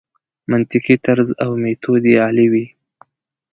منطقي طرز او میتود یې عالي وي.